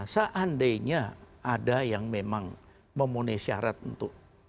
seandainya ada yang memang memenuhi syarat untuk